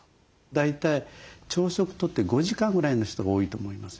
大体朝食とって５時間ぐらいの人が多いと思いますね。